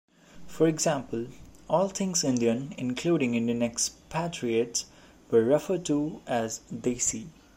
For example, all things Indian including Indian expatriates were referred to as "desi".